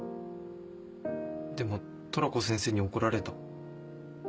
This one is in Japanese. でもトラコ先生に怒られた。